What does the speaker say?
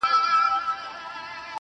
د محبت دار و مدار کي خدايه .